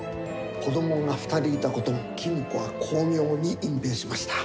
子どもが２人いたことも公子は巧妙に隠蔽しました。